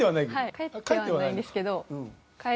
帰ってはないんですけど。